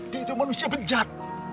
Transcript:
dia itu manusia benjat